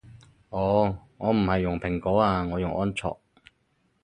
哦我唔係用蘋果啊我用安卓